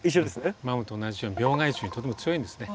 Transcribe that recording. マムと同じように病害虫にとても強いんですね。